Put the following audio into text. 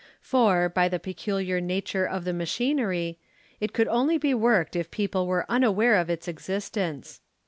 For, by the peculiar nature of the machinery, it could only be worked if people were unaware of its existence.